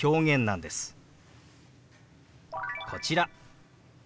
こちら。